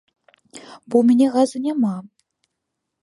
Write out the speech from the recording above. Бо ў мяне газы няма.